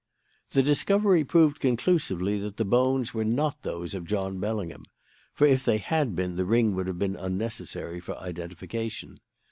"The discovery proved conclusively that the bones were not those of John Bellingham (for if they had been the ring would have been unnecessary for identification).